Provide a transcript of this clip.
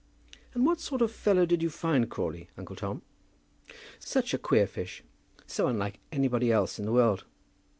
"And what sort of fellow did you find Crawley, uncle Tom?" "Such a queer fish; so unlike anybody else in the world!"